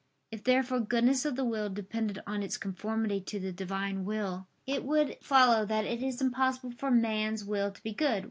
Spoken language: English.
If therefore goodness of the will depended on its conformity to the Divine will, it would follow that it is impossible for man's will to be good.